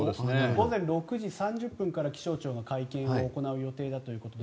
午前６時３０分から気象庁が会見を行う予定だということで